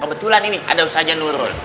kebetulan ini ada saja nurul